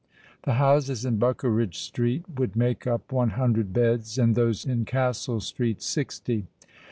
The houses in Buckeridge Street would make up one hundred beds; and those in Castle Street sixty.